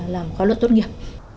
làm khóa luật tốt nghiệp